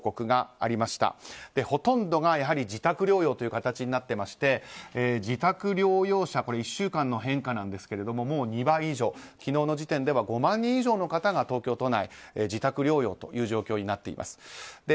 やはり、ほとんどが自宅療養という形になっていて自宅療養者これ１週間の変化なんですけどももう２倍以上、昨日の時点で５万人以上の方が東京都内、自宅療養という状況になっています。